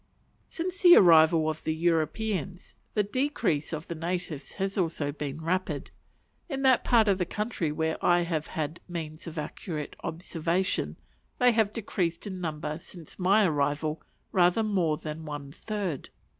Since the arrival of the Europeans the decrease of the natives has also been rapid. In that part of the country where I have had means of accurate observation, they have decreased in number since my arrival rather more than one third.